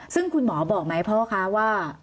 ซึ่งคุณหมอบอกไหมพ่อคะว่า